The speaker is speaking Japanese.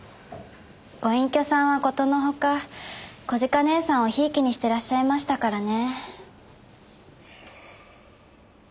ご隠居さんはことのほか小鹿姐さんを贔屓にしてらっしゃいましたからね。